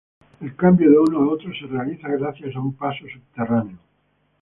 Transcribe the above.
El cambio de uno a otro se realiza gracias a un paso subterráneo.